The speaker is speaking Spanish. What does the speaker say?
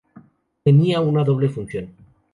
Tenía una doble función.